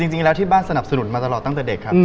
จริงแล้วที่บ้านสนับสนุนมาตลอดตั้งแต่เด็กครับ